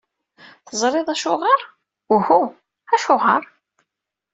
Teẓriḍ acuɣer? Uhu, acuɣer?